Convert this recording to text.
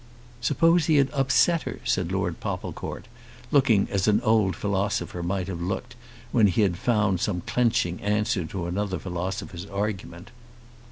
"Suppose he had upset her," said Lord Popplecourt, looking as an old philosopher might have looked when he had found some clenching answer to another philosopher's argument.